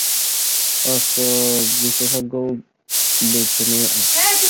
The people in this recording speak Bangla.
অস্ত্র বিশেষজ্ঞও বেঁচে নেই আর।